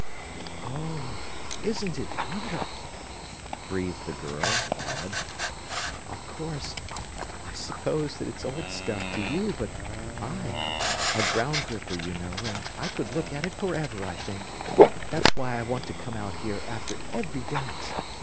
"Oh, isn't it wonderful!" breathed the girl, awed. "Of course, I suppose that it's old stuff to you, but I a ground gripper, you know, and I could look at it forever, I think. That's why I want to come out here after every dance.